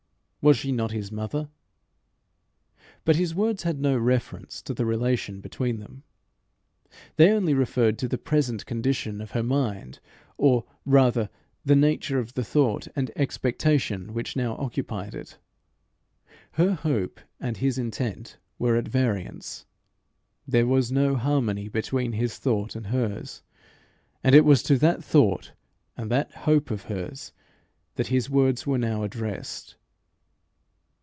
Was she not his mother? But his words had no reference to the relation between them; they only referred to the present condition of her mind, or rather the nature of the thought and expectation which now occupied it. Her hope and his intent were at variance; there was no harmony between his thought and hers; and it was to that thought and that hope of hers that his words were now addressed.